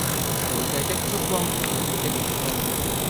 搖曳的燭光、微微的晚風